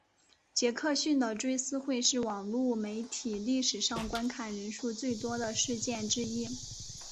杰克逊的追思会是网路媒体历史上观看人数最多的事件之一。